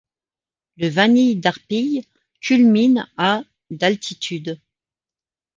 Le Vanil d'Arpille culmine à d'altitude.